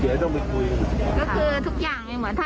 เจิญหน้า